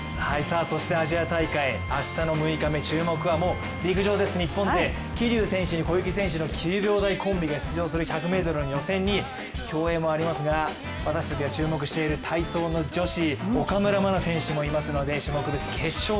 そしてアジア大会、明日の６日目、注目は陸上です、日本勢、桐生選手に小池選手の９秒台コンビが出場する１００ｍに、競泳もありますが、私たちが注目している体操の女子。